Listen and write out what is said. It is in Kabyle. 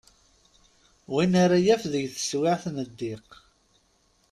Win ara yaf deg teswiɛt n ddiq.